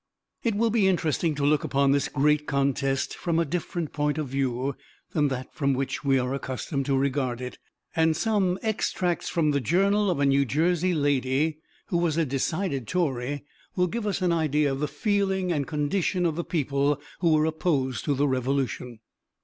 It will be interesting to look upon this great contest from a different point of view than that from which we are accustomed to regard it; and some extracts from the journal of a New Jersey lady who was a decided Tory, will give us an idea of the feeling and condition of the people who were opposed to the Revolution.